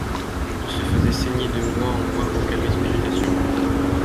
Il se faisait saigner de mois en mois pour calmer son agitation.